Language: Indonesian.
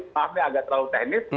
maaf ini agak terlalu teknis